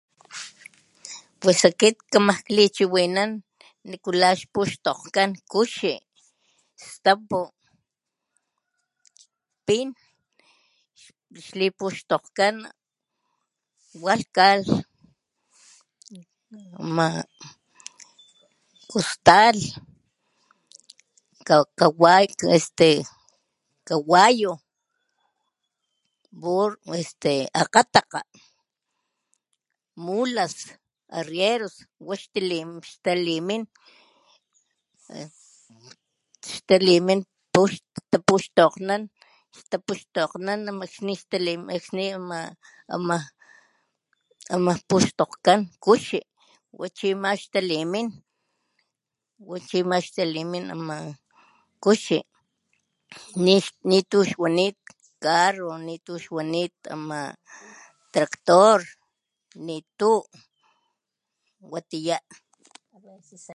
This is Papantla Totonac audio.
Pues akit kama lichiwinan nikula xpuxtokgkan kuxi stapu pin xlipuxtokgkan walhkalh kuxtalh este kawayu bur este akgatakga mulas arrieras wax xtalimin talimin tapuxtokgnan wax talin akxni ama ama puxtokgkan kuxi wachi ama xtalimin wa chi ama xtalimin ama kuxi nitu xwanit nitu xwanit carro ama tractor nitu watiya.